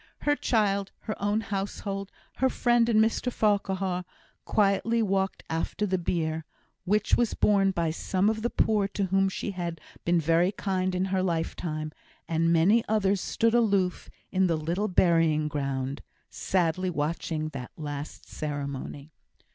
Her child, her own household, her friend, and Mr Farquhar, quietly walked after the bier, which was borne by some of the poor to whom she had been very kind in her lifetime. And many others stood aloof in the little burying ground, sadly watching that last ceremony.